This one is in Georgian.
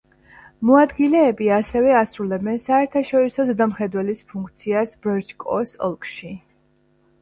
მოადგილეები ასევე ასრულებენ საერთაშორისო ზედამხედველის ფუნქციას ბრჩკოს ოლქში.